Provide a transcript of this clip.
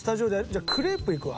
じゃあクレープいくわ。